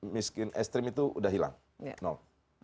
miskin ekstrim itu udah hilang nol